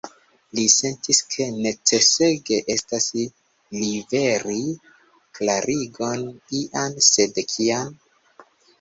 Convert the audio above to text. Li sentis, ke necesege estas liveri klarigon ian; sed kian?